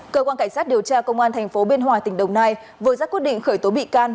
cơ quan cảnh sát điều tra công an tp biên hòa tỉnh đồng nai vừa ra quyết định khởi tố bị can